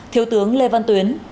thiếu tướng lê văn tuyến